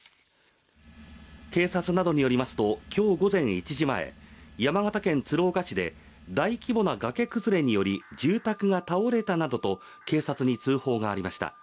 警察などによりますと今日午前１時前、山形県鶴岡市で大規模な崖崩れにより住宅が倒れたなどと警察に通報がありました。